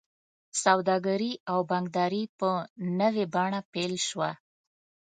سوداګري او بانکداري په نوې بڼه پیل شوه.